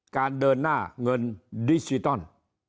การเดินหน้าเงินดิจิตอล